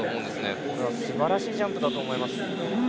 これはすばらしいジャンプだと思います。